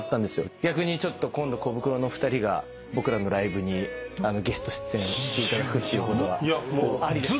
逆にちょっと今度コブクロの２人が僕らのライブにゲスト出演していただくっていうことはありですか？